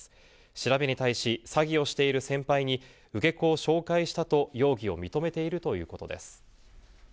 調べに対し、詐欺をしている先輩に受け子を紹介したと容疑を認めているということです。